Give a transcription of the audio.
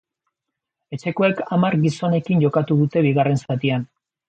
Etxekoek hamar gizonekin jokatu dute bigarren zatian.